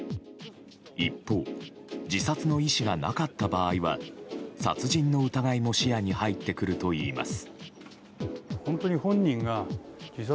一方、自殺の意思がなかった場合は殺人の疑いも視野に入ってくるといいます。